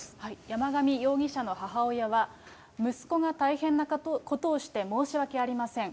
山上容疑者の母親は、息子が大変なことをして申し訳ありません。